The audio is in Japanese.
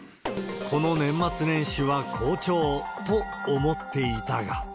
この年末年始は好調と思っていたが。